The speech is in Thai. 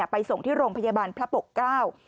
ไปส่งที่โรงพยาบาลพระปกเกล้า